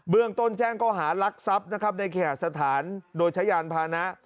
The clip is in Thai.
เรื่องต้นแจ้งก็หารักทรัพย์นะครับในแขกสถานโดยใช้ยานพานะ